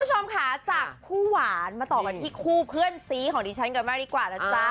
คุณผู้ชมค่ะจากคู่หวานมาต่อกันที่คู่เพื่อนซีของดิฉันกันมากดีกว่านะจ๊ะ